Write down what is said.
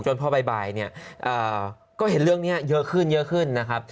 จนพอบ่ายก็เห็นเรื่องนี้เยอะขึ้นนะครับ